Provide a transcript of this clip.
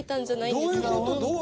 どういうこと？